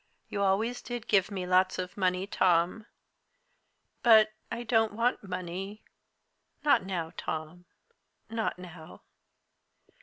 You always did give me lots of money, Tom, But I don't want money not now, Tom, not now."